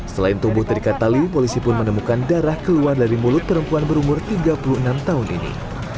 selain tubuh terikat tali polisi pun menemukan darah keluar dari mulut perempuan berumur tiga puluh enam tahun ini